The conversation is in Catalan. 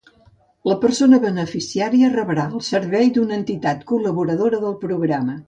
La persona beneficiària rebrà el servei d'una entitat col·laboradora del Programa.